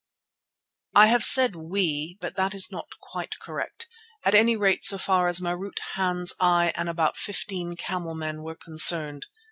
I have said we, but that is not quite correct, at any rate so far as Marût, Hans, I and about fifteen camelmen were concerned.